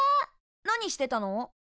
何してたの？